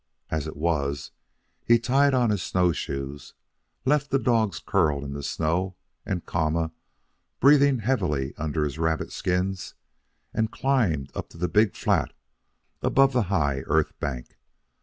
As it was, he tied on his snowshoes, left the dogs curled in the snow and Kama breathing heavily under his rabbit skins, and climbed up to the big flat above the high earth bank.